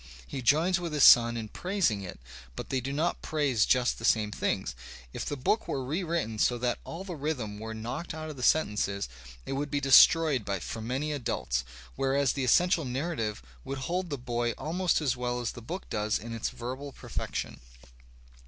He joins with his son in praising it, but they do not praise just the same things. If the book were rewritten so that all the rhythm were knocked out of the sentences, it would be de stroyed for many adults, whereas the essential narrative would hold the boy almost as well as the book does in its verbal perfection.